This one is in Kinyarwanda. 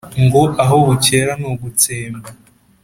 ngo aho bukera ni ugutsemba